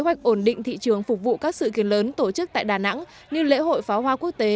kế hoạch ổn định thị trường phục vụ các sự kiện lớn tổ chức tại đà nẵng như lễ hội pháo hoa quốc tế